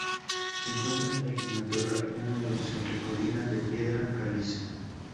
Se encuentra en el matorral húmedo sobre colinas de piedra caliza.